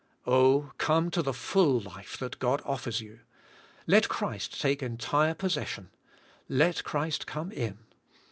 " Oh ! come to the full life that God offers you. Let Christ take entire possession. Let Christ come in.